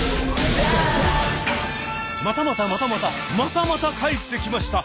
またまたまたまたまたまた帰ってきました！